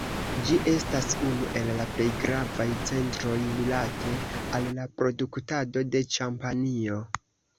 Ĝi estas unu el la plej gravaj centroj rilate al la produktado de ĉampanjo.